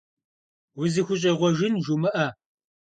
УзыхущӀегъуэжын жумыӀэ.